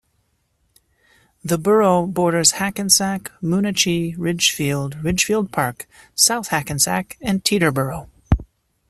The borough borders Hackensack, Moonachie, Ridgefield, Ridgefield Park, South Hackensack and Teterboro.